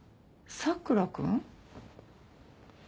佐倉君。